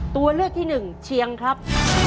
ตัวเลือกที่หนึ่งเชียงครับ